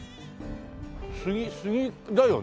杉だよね？